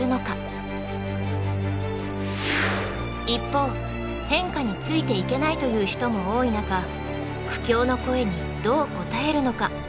一方変化についていけないという人も多い中苦境の声にどう応えるのか？